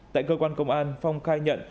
tại cơ quan công an phong khai nhận